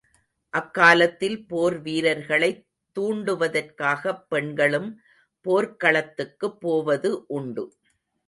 அக்காலத்தில், போர் வீரர்களைத் தூண்டுவதற்காகப் பெண்களும் போர்க்களத்துக்குப் போவது உண்டு.